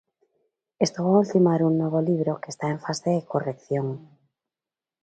Estou a ultimar un novo libro, que está en fase de corrección.